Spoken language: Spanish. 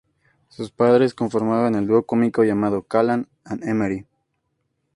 Sus padres formaban el dúo cómico llamado Callan and Emery.